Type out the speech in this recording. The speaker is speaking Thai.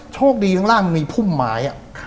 โชคดีข้างล่างมันมีพุ่มไม้